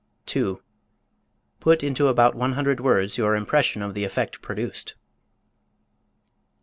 2. Put into about one hundred words your impression of the effect produced.